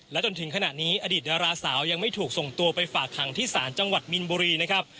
จนถึงขณะนี้อดีตดาราสาวยังไม่ถูกส่งตัวไปฝากขังที่ศาลจังหวัดมินบุรีนะครับ